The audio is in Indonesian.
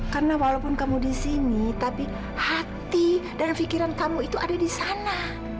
karena walaupun kamu disini tapi hati dan pikiran kamu itu ada di sana